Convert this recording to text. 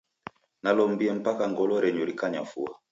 Nalombie mpaka ngolo renyu rikanyafua.